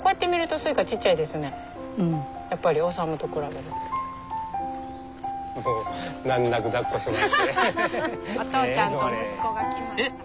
お父ちゃんと息子が来ました。